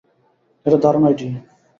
এটা দারুণ আইডিয়া।